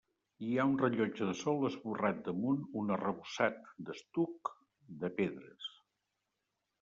Hi ha un rellotge de sol esborrat damunt un arrebossat d'estuc de pedres.